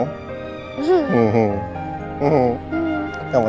om baik juga seneng